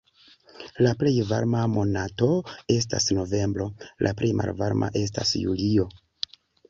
La plej varma monato estas novembro, la plej malvarma estas julio.